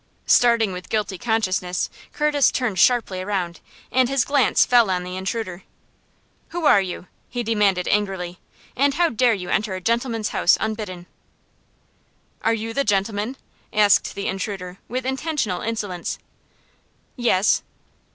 Starting with guilty consciousness, Curtis turned sharply around, and his glance fell on the intruder. "Who are you?" he demanded, angrily. "And how dare you enter a gentleman's house unbidden?" "Are you the gentleman?" asked the intruder, with intentional insolence. "Yes."